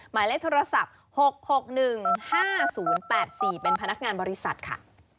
หมายเลขโทรศัพท์๖๖๑๕๐๘๔เป็นพนักงานบริษัทค่ะ